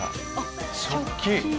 食器。